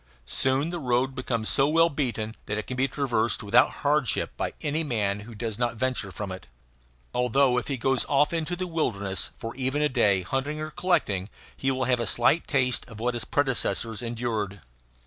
Soon the road becomes so well beaten that it can be traversed without hardship by any man who does not venture from it although if he goes off into the wilderness for even a day, hunting or collecting, he will have a slight taste of what his predecessors endured.